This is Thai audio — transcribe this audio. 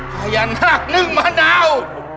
พญานาคนึ่งมะนาว